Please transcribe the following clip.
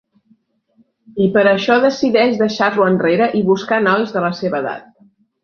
I per això decideix deixar-lo enrere i buscar nois de la seva edat.